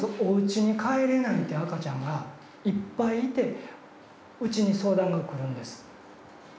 おうちに帰れないって赤ちゃんがいっぱいいてうちに相談が来るんです。